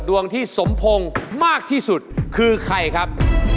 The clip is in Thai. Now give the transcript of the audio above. ดวงที่สมพงศ์มากที่สุดคือใครครับ